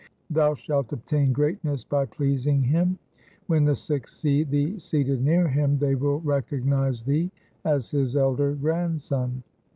Thou shalt obtain greatness by pleasing him. When the Sikhs see thee seated near him, they will recognize thee as his elder grandson.